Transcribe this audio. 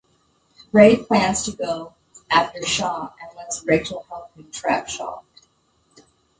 Ray plans to go after Shah and lets Rachel help him trap Shah.